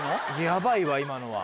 ヤバいわ今のは。